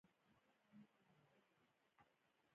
روغتونونه باید پاک وي